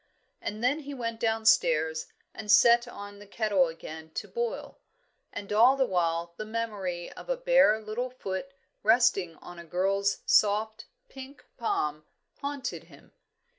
And then he went downstairs, and set on the kettle again to boil; and all the while the memory of a bare little foot resting on a girl's soft, pink palm, haunted him.